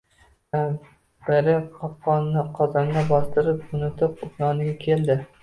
Kampiri qopqoqni qozonga bostirishni unutib, yoniga keldi